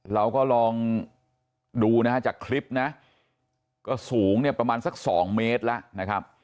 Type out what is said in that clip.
เราก็ลองดูนะฮะจากคลิปนะก็สูงเนี่ยประมาณสัก๒เมตรแล้วนะครับ